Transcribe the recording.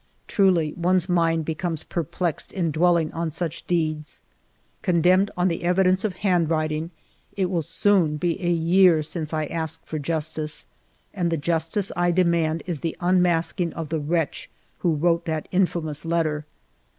... Truly one's mind becomes perplexed in dwell ing on such deeds. Condemned on the evidence of handwriting, it will soon be a year since I asked for justice ; and the justice I demand is the unmasking of the wretch who wrote that infamous letter.